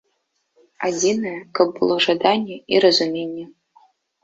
Адзінае, каб было жаданне і разуменне.